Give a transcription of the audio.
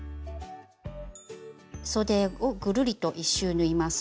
そでをぐるりと１周縫います。